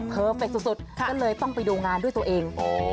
เฟคสุดก็เลยต้องไปดูงานด้วยตัวเอง